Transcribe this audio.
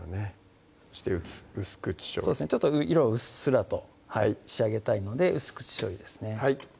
そして薄口しょうゆ色はうっすらと仕上げたいので薄口しょうゆですね